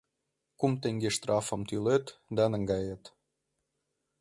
Кум теҥге штрафым тӱлет да наҥгает.